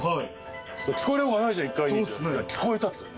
聞こえようがないじゃん１階に「聞こえた」って。